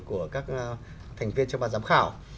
của các thành viên trong ban giám khảo